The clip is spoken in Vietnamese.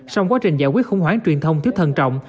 trong quá trình giải quyết khủng hoảng truyền thông thiếu thần trọng